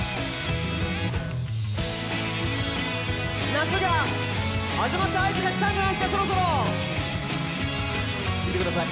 夏が始まった合図がきたんじゃないですかそろそろ聴いてください